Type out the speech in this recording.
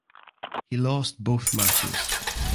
He lost both matches.